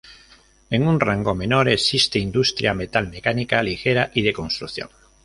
En un rango menor, existe industria metalmecánica ligera y de construcción.